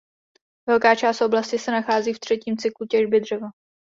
Velká část oblasti se nachází v třetím cyklu těžby dřeva.